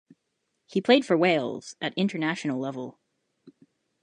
He played for Wales at international level.